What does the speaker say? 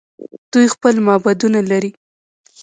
دوی خپل معبدونه لري.